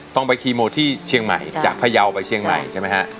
ต้องไปคีโมที่เชียงใหม่จากพยาวไปเชียงใหม่ใช่ไหมฮะ